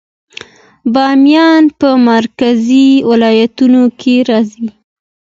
بامیان په مرکزي ولایتونو کې راځي